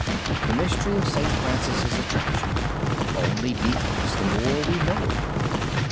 The mystery of St. Francis' attraction only deepens the more we know of him.